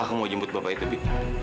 aku mau jemput bapak itu bi